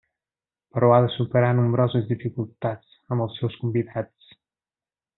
Però ha de superar nombroses dificultats amb els seus convidats.